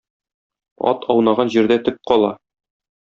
Ат аунаган җирдә төк кала.